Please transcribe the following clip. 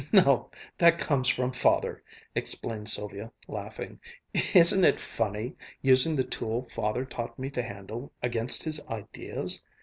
"No, that comes from Father," explained Sylvia, laughing. "Isn't it funny, using the tool Father taught me to handle, against his ideas!